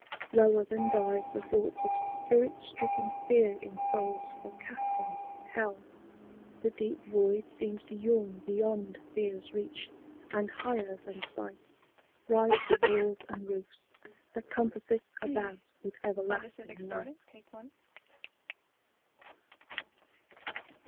Lower than dive the thoughts of spirit stricken fear in souls forecasting Hell, the deep void seems to yawn beyond fear's reach, and higher than sight Rise the walls and roofs that compass it about with everlasting Night.